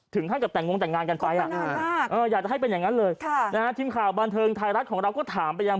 ท่านกับแต่งงแต่งงานกันไปอยากจะให้เป็นอย่างนั้นเลยทีมข่าวบันเทิงไทยรัฐของเราก็ถามไปยัง